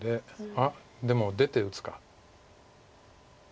あっでも出て打つか。